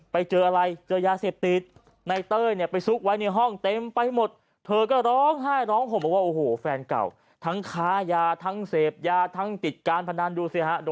ไปเจออะไรเจอยาเสพติด